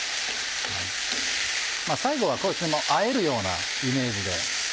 最後はあえるようなイメージで。